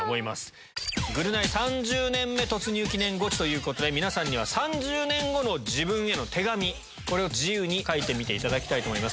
『ぐるナイ』３０年目突入記念ゴチということで皆さんには。これを自由に書いていただきたいと思います。